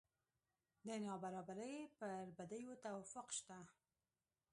د نابرابرۍ پر بدیو توافق شته.